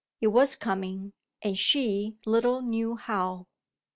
It was coming and she little knew how.